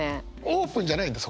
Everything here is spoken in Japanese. オープンじゃないんだ？